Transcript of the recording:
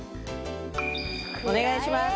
お願いします。